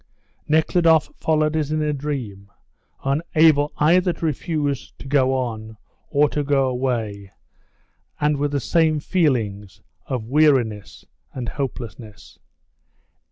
Nekhludoff followed as in a dream, unable either to refuse to go on or to go away, and with the same feelings of weariness and hopelessness.